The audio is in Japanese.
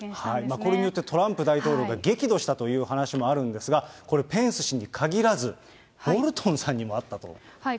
これによって、トランプ大統領が激怒したという話もあるんですが、これ、ペンス氏にかぎらず、ボルトンさんにも会ったということです。